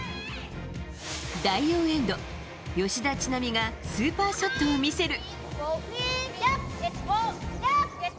第４エンド、吉田知那美がスーパーショットを見せる。